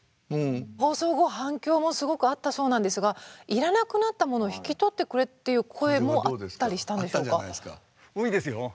放送後反響もすごくあったそうなんですが「いらなくなったものを引き取ってくれ」っていう声もあったりしたんでしょうか？